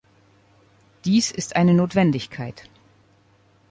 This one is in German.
Dies ist eine Notwendigkeit.